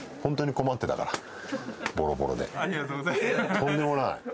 とんでもない。